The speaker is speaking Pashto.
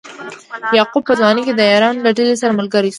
یعقوب په ځوانۍ کې د عیارانو له ډلې سره ملګری شو.